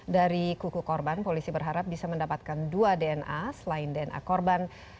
dari kuku korban polisi berharap bisa mendapatkan dua dna selain dna korban